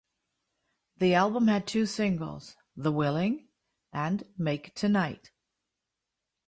The album had two singles, "The Willing" and "Make Tonight".